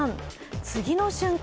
次の瞬間